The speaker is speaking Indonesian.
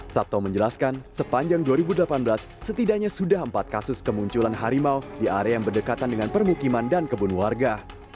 sabto menjelaskan sepanjang dua ribu delapan belas setidaknya sudah empat kasus kemunculan harimau di area yang berdekatan dengan permukiman dan kebun warga